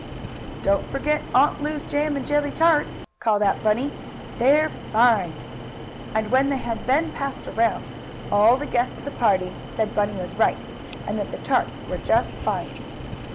"Don't forget Aunt Lu's jam and jelly tarts!" called out Bunny. "They're fine!" And when they had been passed around, all the guests at the party said Bunny was right, and that the tarts were just fine!